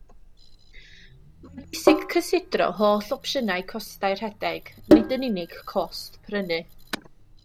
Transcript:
Mae'n bwysig cysidro holl opsiynau costau rhedeg, nid yn unig cost prynu